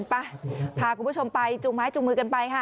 ไปพาคุณผู้ชมไปจูงไม้จูงมือกันไปค่ะ